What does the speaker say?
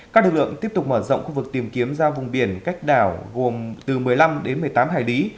các lực lượng tiếp tục mở rộng khu vực tìm kiếm ra vùng biển cách đảo gồm từ một mươi năm đến một mươi tám hải lý